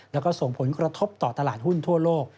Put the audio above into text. แล้วก็ส่งผลกระทบต่อตลาดหุ้นทั่วโลก